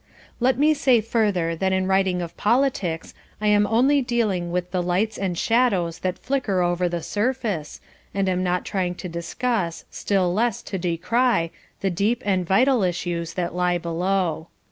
Let me say further than in writing of "politics" I am only dealing with the lights and shadows that flicker over the surface, and am not trying to discuss, still less to decry, the deep and vital issues that lie below.